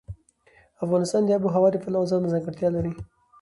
افغانستان د آب وهوا د پلوه ځانته ځانګړتیا لري.